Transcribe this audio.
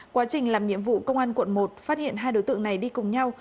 quá trình làm nhiệm vụ công an quận một phát hiện hai đối tượng này đi cùng nhau